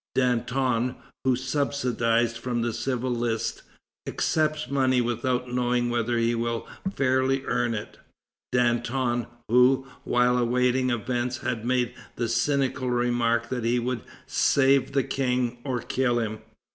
Danton, who, subsidized from the civil list, accepts money without knowing whether he will fairly earn it; Danton, who, while awaiting events, had made the cynical remark that he would "save the King or kill him."